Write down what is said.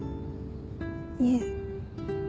いえ。